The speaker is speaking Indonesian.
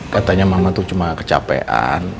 katanya mama itu cuma kecapean